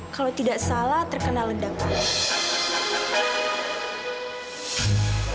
kalau tidak salah terkena ledakan